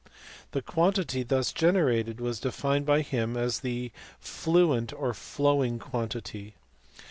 The quantity thus generated was denned by him as the fluent or flowing quantity.